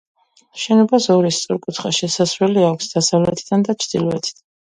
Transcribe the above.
შენობას ორი, სწორკუთხა შესასვლელი აქვს: დასავლეთიდან და ჩრდილოეთიდან.